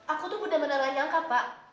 aku tuh bener bener nyangka pak